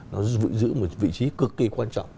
nó giữ một vị trí cực kỳ quan trọng